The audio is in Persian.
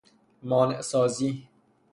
مانع سازی